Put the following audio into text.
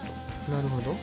なるほど。